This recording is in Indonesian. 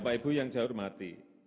bapak ibu yang saya hormati